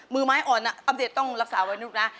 มือไม้อ่อนอัปเดตต้องรักษาไว้ลูกนะ